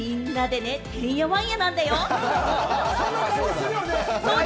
みんなでてんやわんやなんだよ？